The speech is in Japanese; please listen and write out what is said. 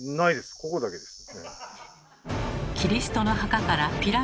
ここだけですね。